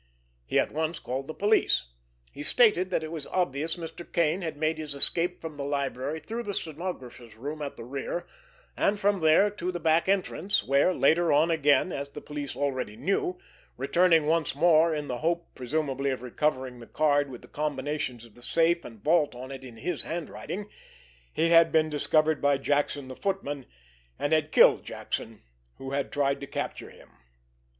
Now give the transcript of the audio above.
He at once called the police. He stated that it was obvious Mr. Kane had made his escape from the library through the stenographer's room at the rear, and from there to the back entrance, where, later on again, as the police already knew, returning once more in the hope presumably of recovering the card with the combinations of the safe and vault on it in his handwriting, he had been discovered by Jackson, the footman, and had killed Jackson, who had tried to capture him.